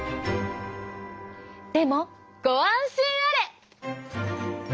でもご安心あれ！